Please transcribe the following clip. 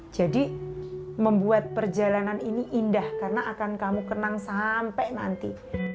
jadi membuat perjalanan ini indah karena akan kamu kenang sampai nanti